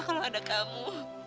kalau ada kamu